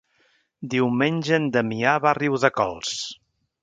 Diumenge en Damià va a Riudecols.